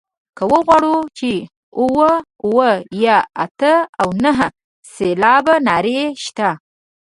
که وغواړو چې اووه اووه یا اته او نهه سېلابه نارې شته.